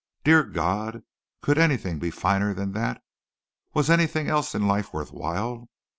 Dear God! Could anything be finer than that? Was anything else in life worth while?